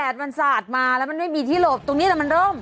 มันสาดมาแล้วมันไม่มีที่หลบตรงนี้แต่มันเริ่ม